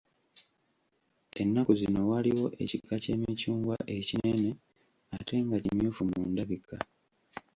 Ennaku zino waliwo ekika ky'emicungwa ekinene ate nga kimyufu mu ndabika.